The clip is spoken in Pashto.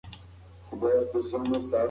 کاروبار دوامدارې مبارزې ته اړتیا لري.